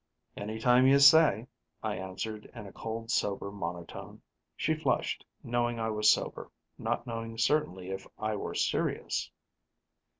"Anytime you say," I answered, in a cold sober monotone. She flushed, knowing I was sober, not knowing certainly if I were serious.